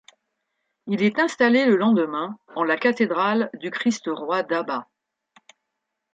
Il est installé le lendemain en la cathédrale du Christ-Roi d'Aba.